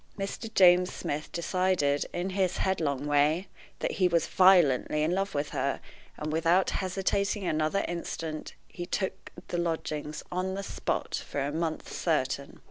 Mr. James Smith decided, in his headlong way, that he was violently in love with her, and, without hesitating another instant, he took the lodgings on the spot for a month certain.